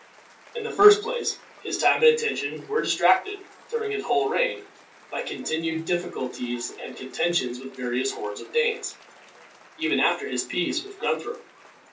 In the first place, his time and attention were distracted, during his whole reign, by continued difficulties and contentions with various hordes of Danes, even after his peace with Guthrum.